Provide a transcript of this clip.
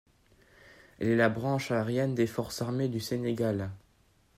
Elle est la branche aérienne des forces armées du Sénégal.